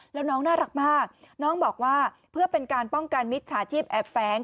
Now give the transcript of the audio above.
แล้วน้องน่ารักมากน้องบอกว่าเพื่อเป็นการป้องกันมิจฉาชีพแอบแฟ้ง